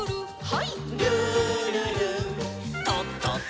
はい。